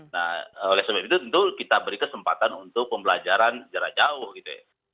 nah oleh sebab itu tentu kita beri kesempatan untuk pembelajaran jarak jauh gitu ya